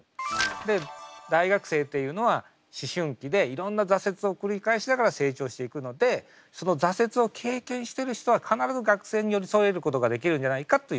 で大学生というのは思春期でいろんな挫折を繰り返しながら成長していくのでその挫折を経験してる人は必ず学生に寄り添えることができるんじゃないかという。